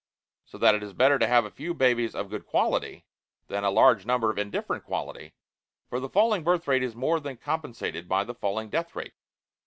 So that it is better to have a few babies of good quality than a large number of indifferent quality, for the falling birth rate is more than compensated by the falling death rate.